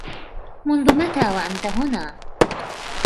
منذ متى وأنت هنا ؟